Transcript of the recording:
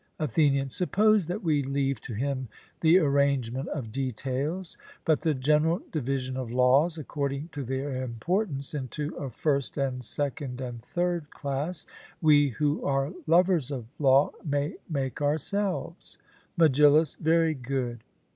ATHENIAN: Suppose that we leave to him the arrangement of details. But the general division of laws according to their importance into a first and second and third class, we who are lovers of law may make ourselves. MEGILLUS: Very good.